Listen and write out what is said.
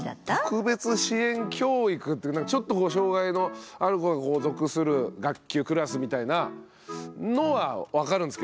特別支援教育ってちょっとこう障害のある子が属する学級クラスみたいなのは分かるんですけど。